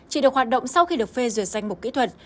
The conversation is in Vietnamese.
chỉ được hoạt động sau khi được phê duyệt danh mục kỹ thuật